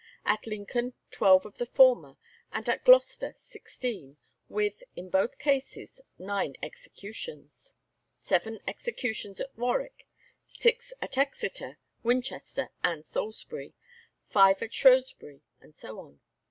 At Lincoln twelve of the former, and at Gloucester sixteen, with, in both cases, nine executions; seven executions at Warwick, six at Exeter, Winchester, and Salisbury, five at Shrewsbury, and so on.